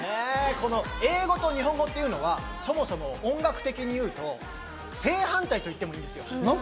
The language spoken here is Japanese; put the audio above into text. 英語と日本語っていうのはそもそも音楽的に言うと正反対といってもいいんですよ。